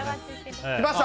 来ました！